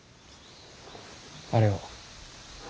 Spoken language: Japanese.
あれを。